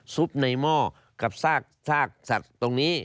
ในหม้อกับซากสัตว์ตรงนี้